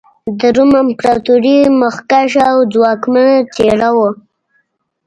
د روم امپراتورۍ مخکښه او ځواکمنه څېره وه.